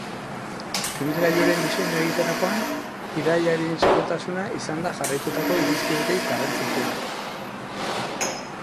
Ibilgailuaren diseinua egiterakoan, bidaiarien segurtasuna izan da jarraitutako irizpiderik garrantzitsuena.